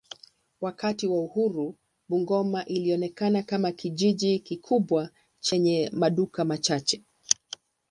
Wakati wa uhuru Bungoma ilionekana kama kijiji kikubwa chenye maduka machache.